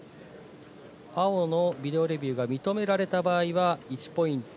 青のビデオレビューが認められた場合は１ポイント。